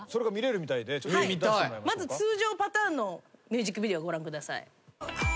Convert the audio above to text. まず通常パターンのミュージックビデオご覧ください。